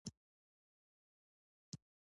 ساه ستړې شوې